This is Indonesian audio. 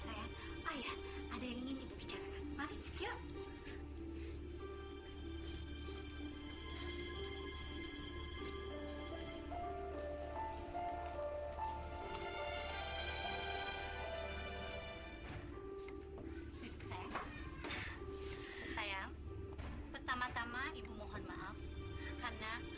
oh iya bisa mengantarkan kita ke tempat yang banyak perhiasannya